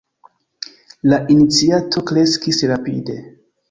La iniciato kreskis rapide.